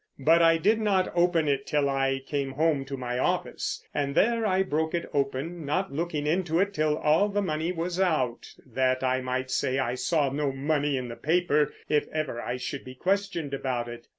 But I did not open it till I came home to my office, and there I broke it open, not looking into it till all the money was out, that I might say I saw no money in the paper, if ever I should be questioned about it.